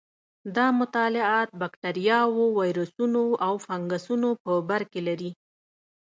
دا مطالعات بکټریاوو، ویروسونو او فنګسونو په برکې لري.